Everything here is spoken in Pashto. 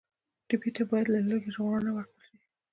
ټپي ته باید له لوږې ژغورنه ورکړل شي.